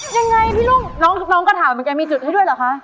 ยังไงพี่รุ่งน้องก็ถามเหมือนกันมีจุดให้ด้วยเหรอคะ